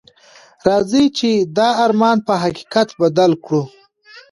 راځئ چې دا ارمان په حقیقت بدل کړو.